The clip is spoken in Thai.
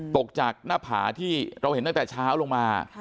ตกจากหน้าผาที่เราเห็นตั้งแต่เช้าลงมา